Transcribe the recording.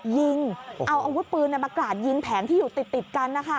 ยิงเอาอาวุธปืนมากราดยิงแผงที่อยู่ติดกันนะคะ